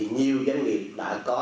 nhiều doanh nghiệp đã có